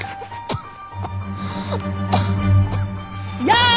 やあ！